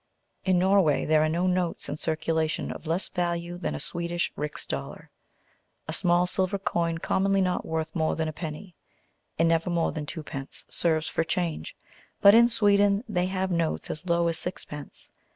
In Norway there are no notes in circulation of less value than a Swedish rix dollar. A small silver coin, commonly not worth more than a penny, and never more than twopence, serves for change; but in Sweden they have notes as low as sixpence.